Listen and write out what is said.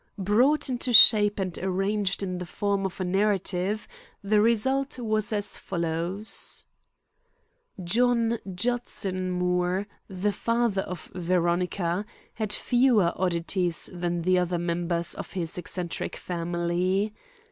Brought into shape and arranged in the form of a narrative, the result was as follows: John Judson Moore, the father of Veronica, had fewer oddities than the other members of this eccentric family.